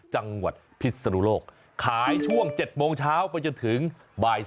จังหวัดพิษนุโลกขายช่วง๗โมงเช้าไปจนถึงบ่าย๓